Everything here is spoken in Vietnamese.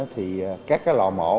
thì các cái lò mổ